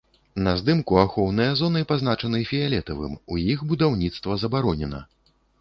На здымку ахоўныя зоны пазначаны фіялетавым, у іх будаўніцтва забаронена.